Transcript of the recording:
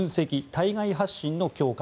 対外発信の強化